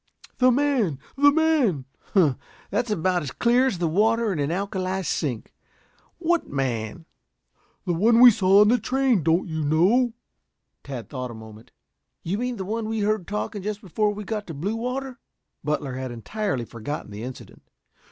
"The man, the man!" "Humph! That's about as clear as the water in an alkali sink. What man?" "The one we saw on the train. Don't you know?" Tad thought a moment. "You mean the one we heard talking just before we got to Bluewater?" Butler had entirely forgotten the incident.